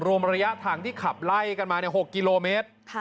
รวมระยะทางที่ขับไล่กันมา๖กิโลเมตร